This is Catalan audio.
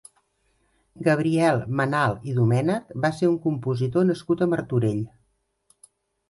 Gabriel Manalt i Domènech va ser un compositor nascut a Martorell.